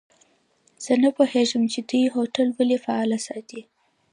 زه نه پوهیږم چي دوی هوټل ولي فعال ساتلی.